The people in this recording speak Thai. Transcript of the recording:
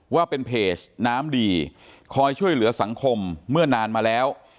ว่าเป็นเพจน้ำดีคอยช่วยเหลือสังคมเมื่อนานมาแล้ว